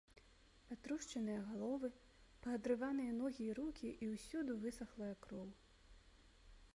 Патрушчаныя галовы, паадрываныя ногі і рукі і ўсюды высахлая кроў.